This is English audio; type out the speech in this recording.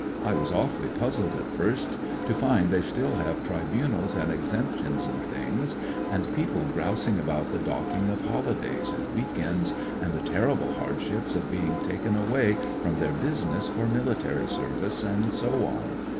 I was awfully puzzled at first to find they still have tribunals and exemp tions and things, and people grousing about the docking of holidays and week ends and the terrible hardships of being taken away from their business for military service, and so on.